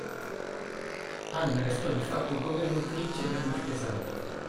Anna restò di fatto governatrice del marchesato.